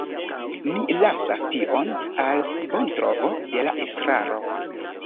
Mi lasas tion al la bontrovo de la estraro.